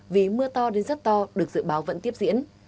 vì mưa to đến rất to được dự báo vẫn tiếp diễn